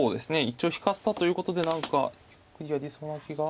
一応引かせたということで何か寄りそうな気が。